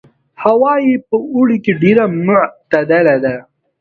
هوا یې په اوړي کې ډېره معتدله ده.